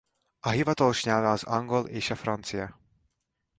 A hivatalos nyelve az angol és a francia.